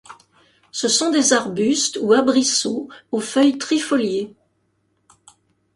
Ce sont des arbustes ou arbrisseaux aux feuilles trifoliées.